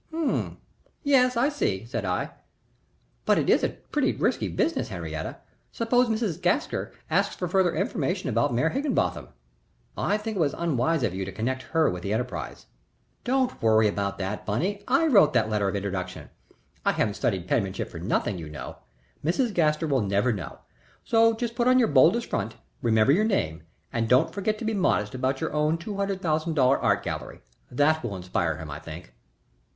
"H'm yes, I see," said I. "But it is pretty risky business, Henriette. Suppose Mrs. Gaster asks for further information about Mayor Higginbotham? I think it was unwise of you to connect her with the enterprise." "Don't bother about that, Bunny. I wrote that letter of introduction I haven't studied penmanship for nothing, you know. Mrs. Gaster will never know. So just put on your boldest front, remember your name, and don't forget to be modest about your own two hundred thousand dollar art gallery. That will inspire him, I think."